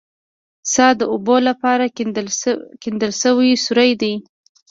څا د اوبو لپاره کیندل شوی سوری دی